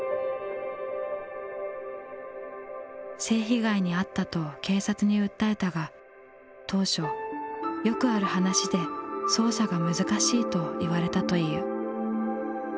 性被害にあったと警察に訴えたが当初「よくある話で捜査が難しい」と言われたという。